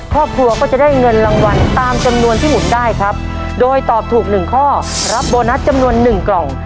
ครอบครัวก็จะได้เงินรางวัลตามจำนวนที่หมุนได้ครับโดยตอบถูกหนึ่งข้อรับโบนัสจำนวนหนึ่งกล่อง